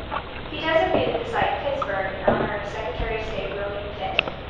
He designated the site "Pittsburgh" in honor of Secretary of State William Pitt.